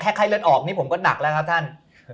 ไข้เลือดออกนี่ผมก็หนักแล้วครับท่าน